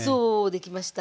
できました。